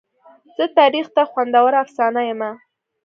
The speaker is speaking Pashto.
زه تاریخ ته خوندوره افسانه یمه.